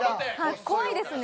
怖いですね。